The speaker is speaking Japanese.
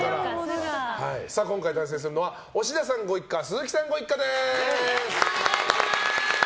今回対戦するのは押田さんご一家鈴木さんご一家です。